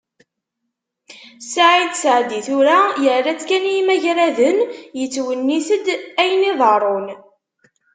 Ssaɛid Seɛdi tura yerra-tt kan i imagraden, yettwennit-d ayen iḍerrun.